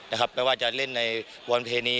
อาจจะเล่นในบอลเพรณี